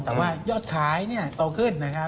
แต่ว่ายอดท้ายเนี่ยต่อขึ้นนะครับ